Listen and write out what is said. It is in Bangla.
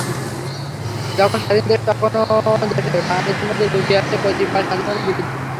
যখন স্বাধীন দেশ, তখনো দেশের বাঙালিদের মধ্যে লুকিয়ে আছে কতিপয় স্বাধীনতা বিরোধী।